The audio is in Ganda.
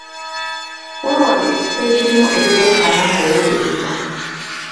Weewale ekifo ekirimu ebireekaana ng'owuliriza.